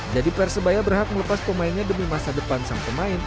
jadi persebaya berhak melepas pemainnya demi masa depan sang pemain